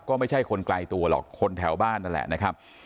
ก็ไม่ใช่คนไกลตัวหรอกคนแถวบ้านนั่นแหละนะครับ